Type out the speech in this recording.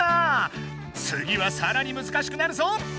次はさらにむずかしくなるぞ！